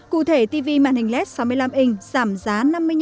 cụ thể tv màn hình led sáu mươi năm inch giảm giá năm mươi năm